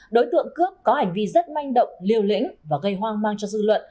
đối tượng cướp có hành vi rất manh động liều lĩnh và gây hoang mang cho dư luận